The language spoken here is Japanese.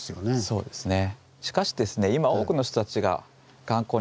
そうですね。